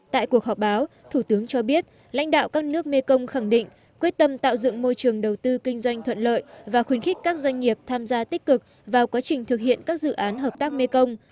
tại cuộc họp báo thủ tướng cho biết lãnh đạo các nước mekong khẳng định quyết tâm tạo dựng môi trường đầu tư kinh doanh thuận lợi và khuyến khích các doanh nghiệp tham gia tích cực vào quá trình thực hiện các dự án hợp tác mekong